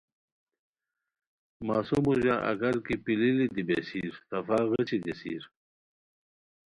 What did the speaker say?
مسو موژہ اگر کی پیلیلی دی بیسیر صفا غیچی گیسیر